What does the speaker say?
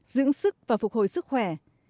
năm dưỡng sức và phục hồi sức khỏe